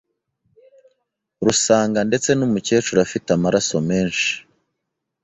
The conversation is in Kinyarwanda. rusanga ndetse n'umukecuru afite amaraso menshi